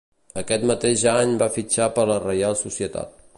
Aquest mateix any va fitxar per la Reial Societat.